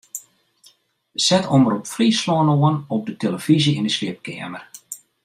Set Omrop Fryslân oan op de tillefyzje yn 'e sliepkeamer.